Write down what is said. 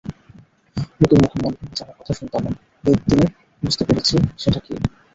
লোকের মুখে মন ভেঙে যাবার কথা শুনতাম, অ্যাদিনে বুঝতে পেরেছে সেটা কী।